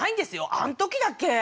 あん時だけ。